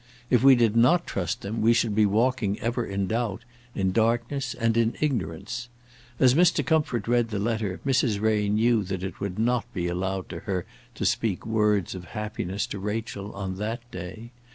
If we did not trust them we should be walking ever in doubt, in darkness, and in ignorance. As Mr. Comfort read the letter, Mrs. Ray knew that it would not be allowed to her to speak words of happiness to Rachel on that day.